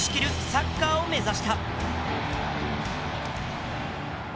サッカーを目指した。